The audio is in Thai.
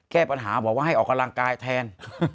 แก้ปัญหาบอกว่าให้ออกกำลังกายแทน